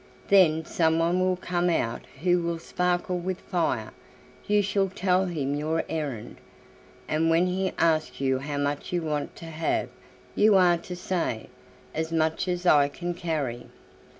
"Then someone will come out who will sparkle with fire; you shall tell him your errand, and when he asks you how much you want to have you are to say: 'As much as I can carry.